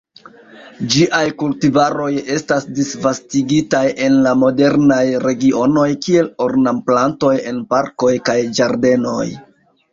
Ĝiaj kultivaroj estas disvastigitaj en la moderaj regionoj kiel ornamplantoj en parkoj kaj ĝardenoj.